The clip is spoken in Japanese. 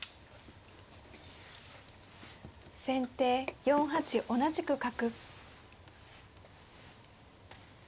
先手４八同じく角。